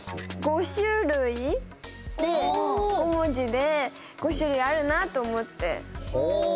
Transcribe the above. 「ごしゅるい」で５文字で５種類あるなと思って。